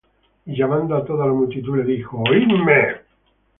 Y llamando á toda la multitud, les dijo: Oidme todos, y entended: